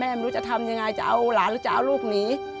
ไม่รู้จะทำยังไงจะเอาหลานหรือจะเอาลูกหนี